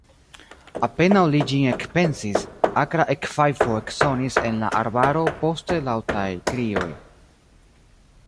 Apenaŭ li ĝin ekpensis, akra ekfajfo eksonis en la arbaro, poste laŭtaj krioj.